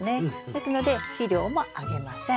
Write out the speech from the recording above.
ですので肥料もあげません。